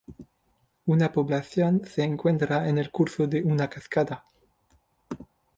Una población se encuentra en el curso de una cascada.